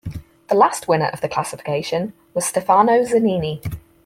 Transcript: The last winner of the classification was Stefano Zanini.